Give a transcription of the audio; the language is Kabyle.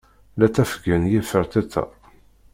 La ttafgen yiferṭeṭṭa.